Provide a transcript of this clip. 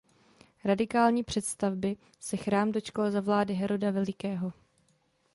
Radikální přestavby se Chrám dočkal za vlády Heroda Velikého.